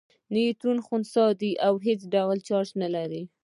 نیوټرون خنثی دی او هیڅ ډول چارچ نلري.